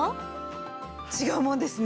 違うものですね。